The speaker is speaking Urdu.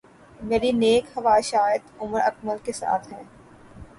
میری نیک خواہشات عمر اکمل کے ساتھ ہیں